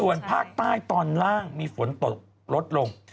ส่วนภาคใต้ตอนล่างมีฝนตกลดลง